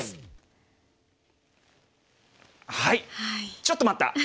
ちょっと待った！